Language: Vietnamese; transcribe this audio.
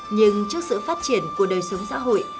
nhưng trước sự phát triển của đời sống xã hội